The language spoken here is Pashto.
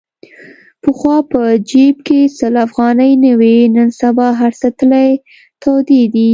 پخوا په جیب کې سل افغانۍ نه وې. نن سبا هرڅه تلې تودې دي.